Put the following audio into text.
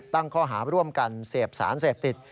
ตั้งข้อหาร่วมกันเสพสารเสพติด